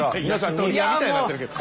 焼き鳥屋みたいになってるけど。